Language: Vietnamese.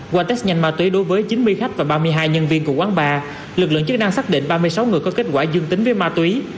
qua test nhanh ma túy đối với chín mươi khách và ba mươi hai nhân viên của quán bar lực lượng chức năng xác định ba mươi sáu người có kết quả dương tính với ma túy